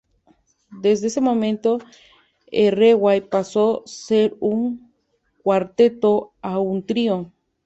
Desde ese momento, Erreway pasó de ser un cuarteto a un trío.